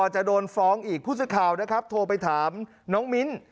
จะโดนฟ้องอีกผู้สื่อข่าวนะครับโทรไปถามน้องมิ้น